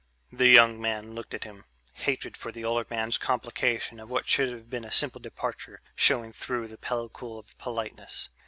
The young man looked at him hatred for the older man's complication of what should have been a simple departure showing through the pellicule of politeness.